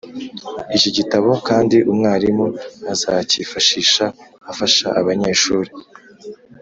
iki gitabo kandi umwarimu azakifashisha afasha abanyeshuri